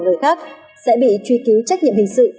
người khác sẽ bị truy cứu trách nhiệm hình sự